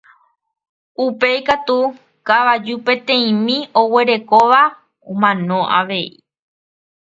Upéi katu kavaju peteĩmi oguerekóva omano avei